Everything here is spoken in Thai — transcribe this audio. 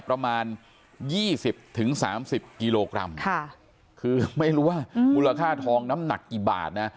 ประมาณ๒๐๓๐กิโลกรัมค่ะคือไม่รู้ว่ามูลค่าทองน้ำหนักกี่บาทนะ